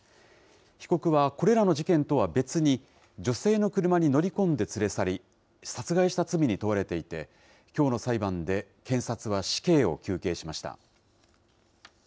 被告はこれらの事件とは別に、女性の車に乗り込んで連れ去り、殺害した罪に問われていて、きょうの裁判で検察は死刑を求刑しました。